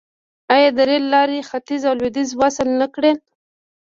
آیا د ریل لارې ختیځ او لویدیځ وصل نه کړل؟